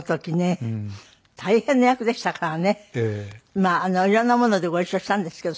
まあいろんなものでご一緒したんですけど。